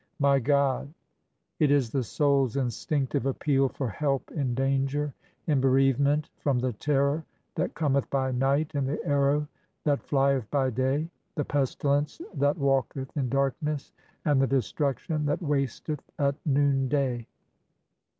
My God ! It is the souks instinctive appeal for help, in danger, in bereavement, from the terror that cometh by night and the arrow that flieth by day, the pestilence that walk eth in darkness and the destruction that wasteth at noon day.